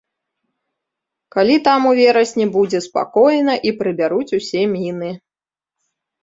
Калі там у верасні будзе спакойна і прыбяруць усе міны.